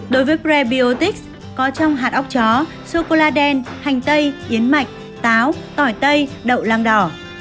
đối với prebiotics có trong hạt ốc chó sô cô la đen hành tây yến mạch táo tỏi tây đậu lang đỏ